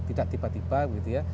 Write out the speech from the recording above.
tidak tiba tiba gitu ya